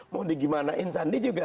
mau digimanain sandi juga